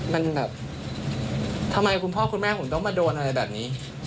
มันแบบทำไมคุณพ่อคุณแม่ผมต้องมาโดนอะไรแบบนี้